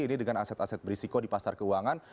ini dengan aset aset berisiko di pasar keuangan